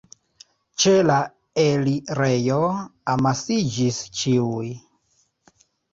Ĉe la elirejo amasiĝis ĉiuj.